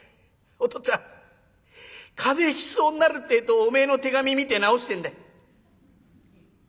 お父っつぁん風邪ひきそうになるってえとおめえの手紙見て治してんだ。